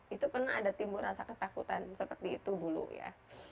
itu pernah ada timbul rasa ketakutan seperti itu dulu ya